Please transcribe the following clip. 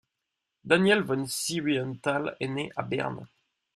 Daniel von Siebenthal est né à Berne.